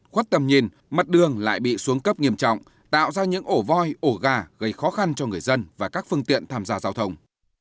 khuất tầm nhìn mặt đường lại bị xuống cấp nghiêm trọng tạo ra những ổ voi ổ gà gây khó khăn cho người dân và các phương tiện tham gia giao thông